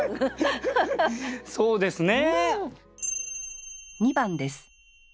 そうですね。